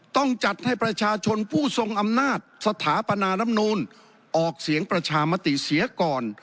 ต้องจัดให้ประชาชนผู้ทรงอำนาจสถาปนารำนูลออกเสียงประชามติเสียก่อน